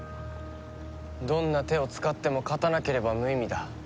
どんな手を使っても勝たなければ無意味だ。